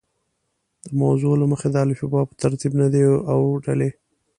د موضوع له مخې د الفبا په ترتیب نه دي اوډلي.